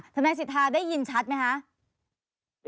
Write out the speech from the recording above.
ทนายสิทธาได้ยินชัดไหมคะ